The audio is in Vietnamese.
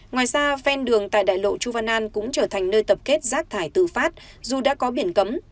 ngoài ra phen đường tại đại lộ chu văn an cũng trở thành nơi tập kết rác thải tự phát dù đã có biển cấm